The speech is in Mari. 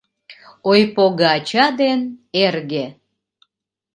ОЙПОГОАЧА ДЕН ЭРГЕ